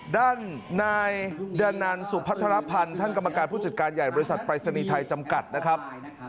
ด้านนายดานันสุพัทรพันธ์ท่านกรรมการผู้จัดการใหญ่บริษัทปรายศนีย์ไทยจำกัดนะครับ